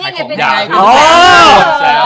นี่ไงเป็นไง